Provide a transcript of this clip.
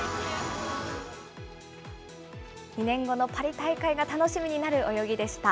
２年後のパリ大会が楽しみになる泳ぎでした。